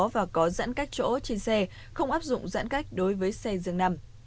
và có giãn cách chỗ trên xe không áp dụng giãn cách đối với xe dường nằm